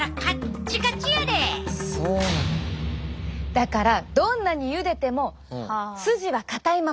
だからどんなにゆでてもスジはかたいまま。